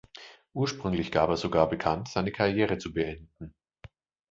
Ursprünglich gab er sogar bekannt seine Karriere zu beenden.